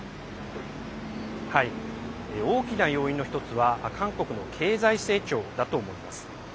大きな要因の一つは韓国の経済成長だと思います。